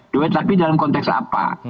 duit tapi dalam konteks apa